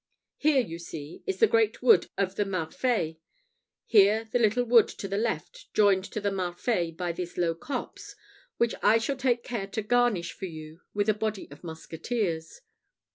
Here, you see, is the great wood of the Marfée. Here the little wood to the left, joined to the Marfée by this low copse, which I shall take care to garnish for you with a body of musketeers.